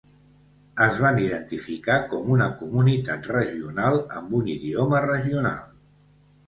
Es van identificar com una comunitat regional amb un idioma regional.